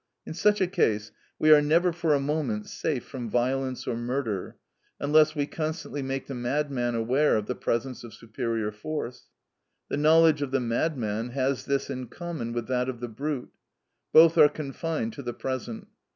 In such a case, we are never for a moment safe from violence or murder, unless we constantly make the madman aware of the presence of superior force. The knowledge of the madman has this in common with that of the brute, both are confined to the present.